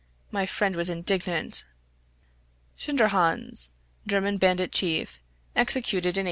My friend was indignant!" {Schinderhannes = German bandit chief, executed in 1803.